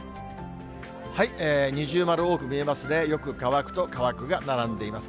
二重丸多く見えますね、よく乾くと乾くが並んでいます。